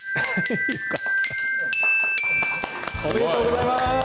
おめでとうございます。